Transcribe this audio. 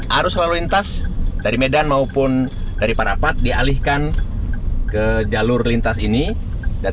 harus lalualan tas dari medan maupun dari parapat dialihkan ke jalur lintas ini dan